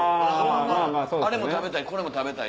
あれも食べたい